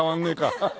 ハハハハ。